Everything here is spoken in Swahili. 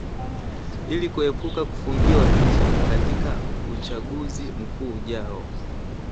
ili kuepuka kufungiwa nje katika uchaguzi mkuu ujao